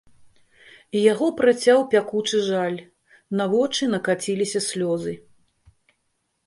Яго працяў пякучы жаль, на вочы накаціліся слёзы.